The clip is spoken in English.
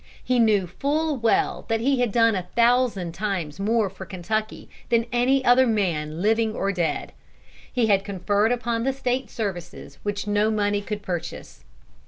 He knew full well that he had done a thousand times more for Kentucky than any other man living or dead. He had conferred upon the State services which no money could purchase.